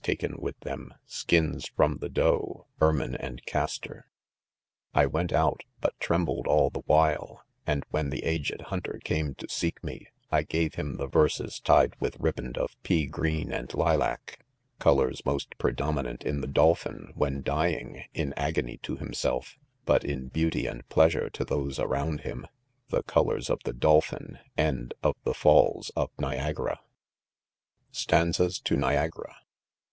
lien with them, skins from the doe, ermine arid. castor/ :; 6 1 ^ T QrA out, but trembled all me while ; and ' when the aged hunter came to seek me, I gave him the verses tied with riband of pea grfeen and lilac— colours most predominant ipi the ■dolphin while dying, in agony to himself, but in beauty and pleasure to those around him— the colors of the Dolphin and of the Falls of Ni agara. .*•####* STANZAS TO NIAGARA.